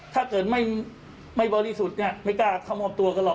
ถ้าเกิดไม่บริสุทธิ์เนี่ยไม่กล้าเข้ามอบตัวกันหรอก